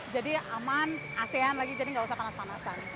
jadi aman asean lagi jadi gak usah panas panasan